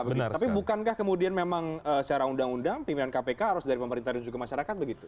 tapi bukankah kemudian memang secara undang undang pimpinan kpk harus dari pemerintah dan juga masyarakat begitu